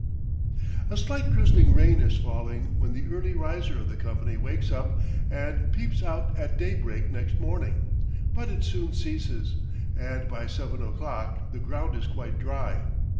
A slight drizzling rain is falling when the early riser of the company wakes up and peeps out at daybreak next morning, but it soon ceases, and by seven o'clock the ground is quite dry.